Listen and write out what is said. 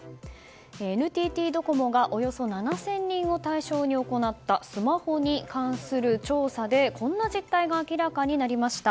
ＮＴＴドコモがおよそ７０００人を対象に行ったスマホに関する調査でこんな実態が明らかになりました。